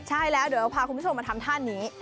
ใช่แล้วเดี๋ยวพาคุณผู้ชมมาทำท่านี้